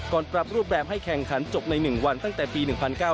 ก่อนปรับรูปแบบให้แข่งขันจบในหนึ่งวันตั้งแต่ปี๑๙๙๖